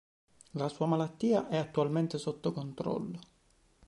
La sua malattia è attualmente sotto controllo.